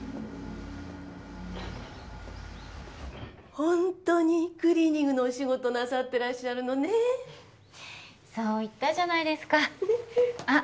ホントにクリーニングのお仕事なさってらっしゃるのねそう言ったじゃないですかあっ